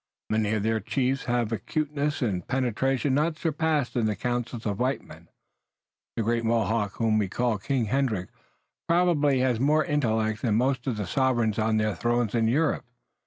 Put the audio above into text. Many of their chiefs have an acuteness and penetration not surpassed in the councils of white men. The great Mohawk whom we call King Hendrick probably has more intellect than most of the sovereigns on their thrones in Europe.